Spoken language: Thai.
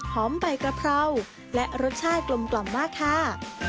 หอมใบกระเพราและรสชาติกลมมากค่ะ